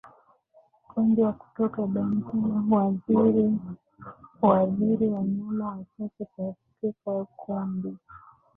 Ugonjwa wa kutoka damu sana huathiri huathiri wanyama wachache katika kundi